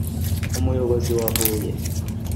umuyobozi wa huye